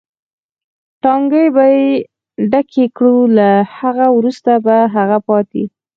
ټانکۍ به یې ډکې کړو، له هغه وروسته به هغه پاتې.